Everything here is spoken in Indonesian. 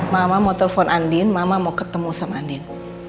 mama mau telepon andien mama mau ketemu sama andien